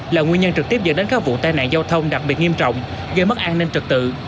là nguyên nhân trực tiếp dẫn đến các vụ tai nạn giao thông đặc biệt nghiêm trọng gây mất an ninh trật tự